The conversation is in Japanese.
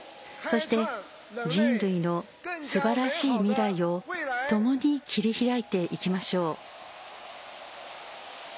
そして、人類のすばらしい未来をともに切り開いていきましょう。